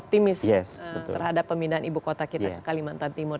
optimis terhadap pemindahan ibu kota kita ke kalimantan timur